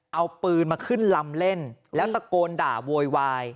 เอาปืนมาขึ้นลำเล่นแล้วตะโกนด่าโวยวาย